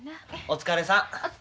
お疲れさん。